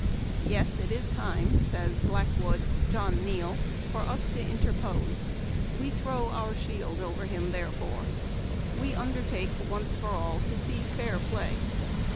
" Yes, it is time," says ' Blackwood/ (John Neal,) "for us to interpose. We throw our shield over him, therefore. We undertake, once for all, to see fair play.